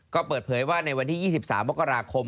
ก็เปิดเผยว่าในวันที่๒๓มกราคม